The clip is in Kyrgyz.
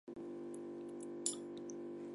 Бул мыйзам ченемдүү нерсе.